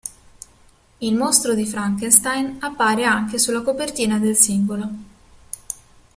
Il mostro di Frankenstein appare anche sulla copertina del singolo.